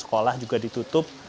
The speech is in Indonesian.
sekolah juga ditutup